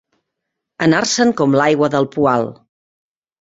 Anar-se'n com l'aigua del poal.